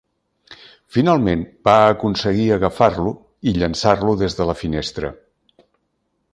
Finalment va aconseguir agafar-lo i llançar-lo des de la finestra.